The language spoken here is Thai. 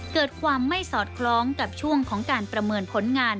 เกิดความไม่สอดคล้องกับช่วงของการประเมินผลงาน